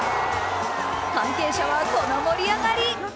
関係者はこの盛り上がり。